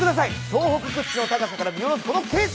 東北屈指の高さから見下ろすこの景色。